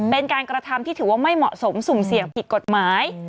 เป็นการกระทำที่ถือว่าไม่เหมาะสมสุ่มเสี่ยงผิดกฎหมาย